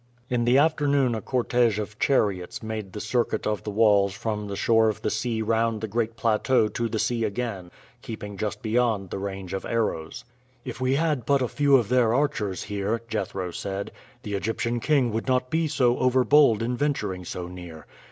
In the afternoon a cortége of chariots made the circuit of the walls from the shore of the sea round the great plateau to the sea again, keeping just beyond the range of arrows. "If we had but a few of their archers here," Jethro said, "the Egyptian king would not be so overbold in venturing so near.